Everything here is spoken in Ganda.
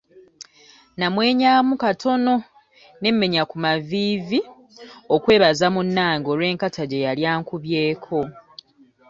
Namwenyaamu katono ne mmenya ku maviivi okwebaza munnange olw'enkata gye yali ankubyeko.